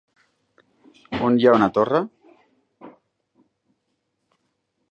On hi ha una torre?